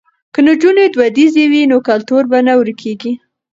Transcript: که نجونې دودیزې وي نو کلتور به نه ورکيږي.